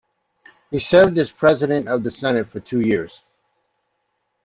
He served as President of the Senate for two years.